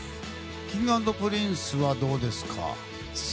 Ｋｉｎｇ＆Ｐｒｉｎｃｅはどうですか？